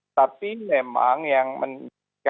tapi memang yang menjelaskan